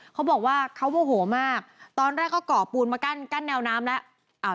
เขาบอกว่าเขาโมโหมากตอนแรกก็ก่อปูนมากั้นแนวน้ำแล้ว